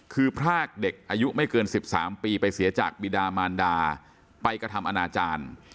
คือพรากเด็กอายุไม่เกิน๑๓ปีไปเสียจากบิดามานดาไปกระทำอนาจารย์